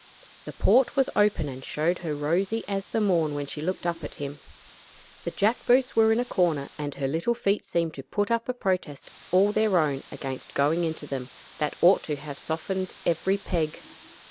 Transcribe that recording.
The port was open and showed her rosy as the morn when she looked up at him. The jack boots were in a corner, and her little feet seemed to put up a protest all their own, against going into them, that ought to have softened every peg.